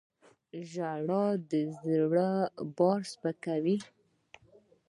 • ژړا د زړه بار سپکوي.